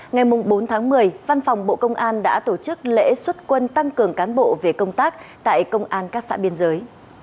ngày bốn tháng một mươi văn phòng bộ công an đã tổ chức lễ xuất quân tăng cường cán bộ về công tác tại công an các xã biên giới